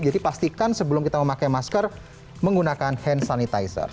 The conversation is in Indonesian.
jadi pastikan sebelum kita memakai masker menggunakan hand sanitizer